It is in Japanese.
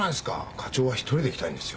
課長は１人で来たいんですよ。